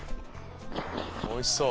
おいしそう。